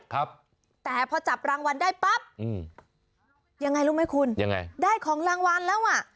ครับแต่พอจับรางวัลได้ปั๊บอืมยังไงรู้ไหมคุณยังไงได้ของรางวัลแล้วอ่ะ